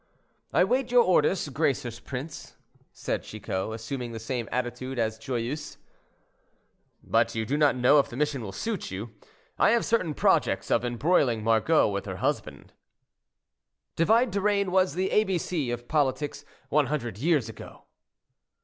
"I wait your orders, gracious prince," said Chicot, assuming the same attitude as Joyeuse. "But you do not know if the mission will suit you. I have certain projects of embroiling Margot with her husband." "Divide to reign was the A B C of politics one hundred years ago."